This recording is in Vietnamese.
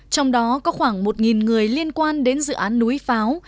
trong đó có khoảng một người liên quan đến dự án núi pháo